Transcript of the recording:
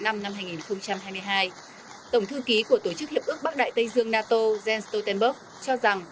năm hai nghìn hai mươi hai tổng thư ký của tổ chức hiệp ước bắc đại tây dương nato jens stoltenberg cho rằng